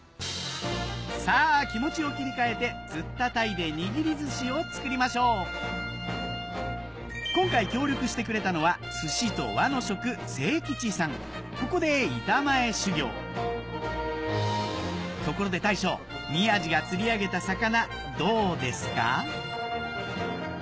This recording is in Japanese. さぁ気持ちを切り替えて釣った鯛で握り寿司を作りましょう今回協力してくれたのはここで板前修業ところで大将宮治が釣り上げた魚どうですか？